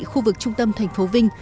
khu vực trung tâm thành phố vinh